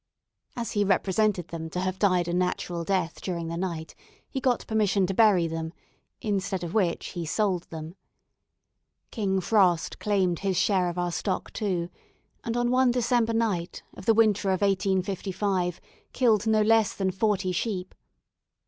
As he represented them to have died a natural death during the night, he got permission to bury them, instead of which he sold them. King Frost claimed his share of our stock too, and on one December night, of the winter of 1855, killed no less than forty sheep.